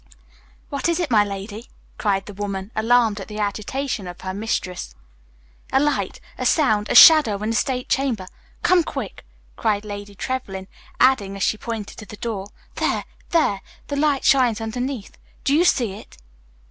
"What is it, my lady?" cried the woman, alarmed at the agitation of her mistress. "A light, a sound, a shadow in the state chamber. Come quick!" cried Lady Trevlyn, adding, as she pointed to the door, "There, there, the light shines underneath. Do you see it?"